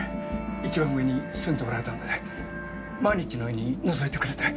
一番上に住んでおられたので毎日のようにのぞいてくれて。